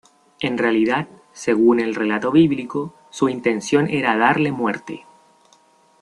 En realidad, según el relato bíblico, su intención era darle muerte.